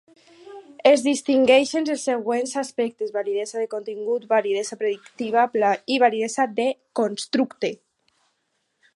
Es distingeixen els següents aspectes: validesa de contingut, validesa predictiva i validesa de constructe.